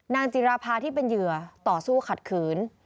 จิราภาที่เป็นเหยื่อต่อสู้ขัดขืน